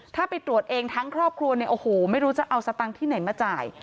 ถ้าไปตรวจเองทั้งครอบครัวไม่รู้จะเอาสตางค์ที่ไหนมาจ่าย